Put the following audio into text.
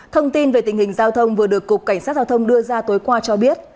thông tin về tình hình giao thông vừa được cục cảnh sát giao thông đưa ra tối qua cho biết